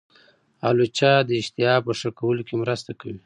الوچه د اشتها په ښه کولو کې مرسته کوي.